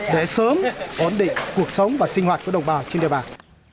để sớm ổn định cuộc sống và sinh hoạt của đồng bào trên địa bàn